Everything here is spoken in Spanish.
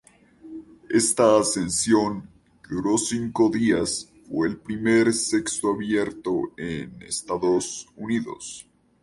Esta ascensión, que duró cinco días, fue el primer sexto abierto en Estados Unidos.